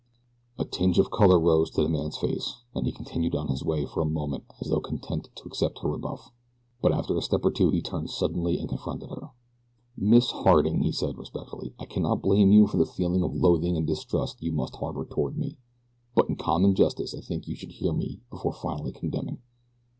A tinge of color rose to the man's face, and he continued on his way for a moment as though content to accept her rebuff; but after a step or two he turned suddenly and confronted her. "Miss Harding," he said, respectfully, "I cannot blame you for the feeling of loathing and distrust you must harbor toward me; but in common justice I think you should hear me before finally condemning."